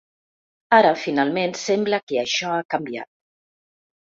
Ara, finalment, sembla que això ha canviat.